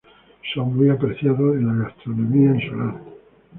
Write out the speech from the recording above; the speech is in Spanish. Son muy apreciados en la gastronomía insular.